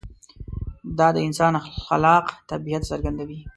دا د انسان خلاق طبیعت څرګندوي.